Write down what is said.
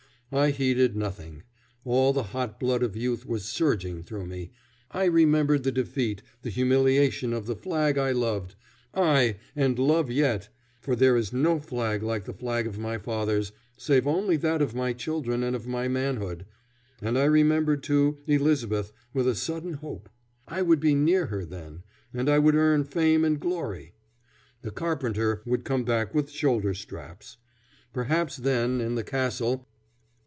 I heeded nothing. All the hot blood of youth was surging through me. I remembered the defeat, the humiliation of the flag I loved, aye! and love yet, for there is no flag like the flag of my fathers, save only that of my children and of my manhood, and I remembered, too, Elizabeth, with a sudden hope. I would be near her then, and I would earn fame and glory. The carpenter would come back with shoulder straps. Perhaps then, in the castle...